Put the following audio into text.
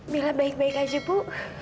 bila baik baik aja bu